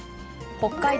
北海道